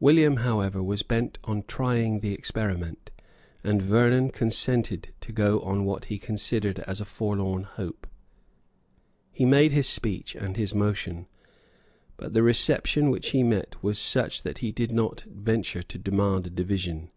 William, however, was bent on trying the experiment; and Vernon consented to go on what he considered as a forlorn hope. He made his speech and his motion; but the reception which he met with was such that he did not venture to demand a division.